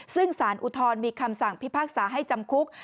ซึ่งสารอุทธรณ์มีคำสั่งพิพากษาให้จำคุก